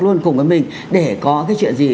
luôn cùng với mình để có cái chuyện gì